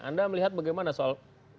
anda melihat bagaimana soal